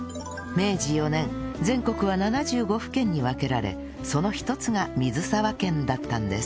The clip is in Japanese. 明治４年全国は７５府県に分けられその一つが水沢県だったんです